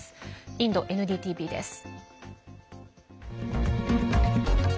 インドＮＤＴＶです。